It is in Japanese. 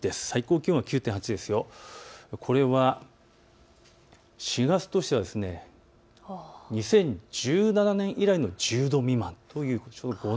最高気温９．８度、これは４月としては２０１７年以来の１０度未満ということ。